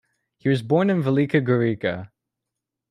He was born in Velika Gorica.